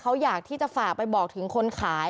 เขาอยากที่จะฝากไปบอกถึงคนขาย